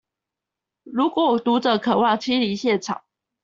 如果讀者渴望親臨現場